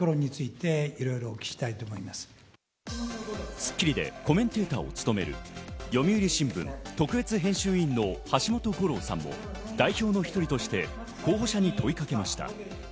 『スッキリ』でコメンテーターを務める読売新聞特別編集委員の橋本五郎さんも代表の１人として候補者に問いかけました。